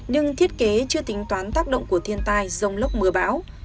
nhưng thiết kế chưa tính toán tác động của thiên tai dông lốc mưa bão